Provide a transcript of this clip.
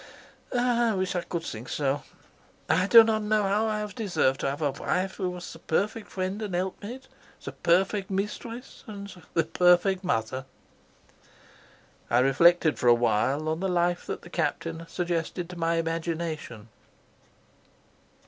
"I wish I could think so. I do not know how I have deserved to have a wife who was the perfect friend and helpmate, the perfect mistress and the perfect mother." I reflected for a while on the life that the Captain suggested to my imagination.